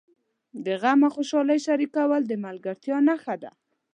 د غم او خوشالۍ شریکول د ملګرتیا نښه ده.